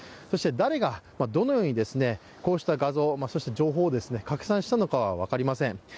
そして誰がどのように、こうした画像、情報を核散したのかは分かりません。